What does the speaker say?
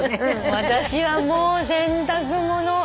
私はもう「洗濯物」